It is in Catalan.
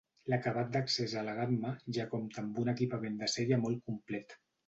L'acabat d'accés a la gamma ja compta amb un equipament de sèrie molt complet.